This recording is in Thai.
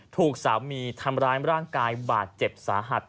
ถูกสามีทำร้ายร่างกายบาดเจ็บสาหัส